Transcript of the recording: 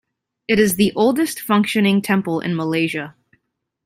It is the oldest functioning temple in Malaysia.